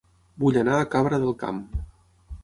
Vull anar a Cabra del Camp